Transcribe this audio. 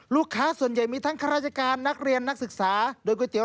ลูกค้าส่วนใหญ่มีทั้งข้าราชการนักเรียนนักศึกษาโดยก๋วยเตี๋